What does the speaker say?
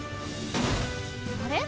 あれ？